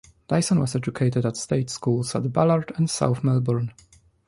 Dyson was educated at state schools at Ballarat and South Melbourne.